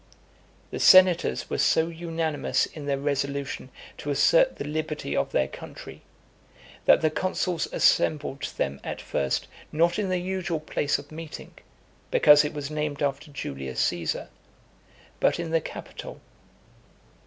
The senators were so unanimous in their resolution to assert the liberty of their country, that the consuls assembled them at first not in the usual place of meeting, because it was named after Julius Caesar, but in the Capitol.